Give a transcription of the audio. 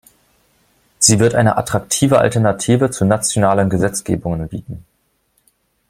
Sie wird eine attraktive Alternative zu nationalen Gesetzgebungen bieten.